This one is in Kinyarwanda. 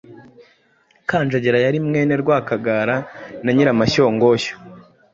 Kanjogera yari mwene Rwakagara na Nyiramashyongoshyo,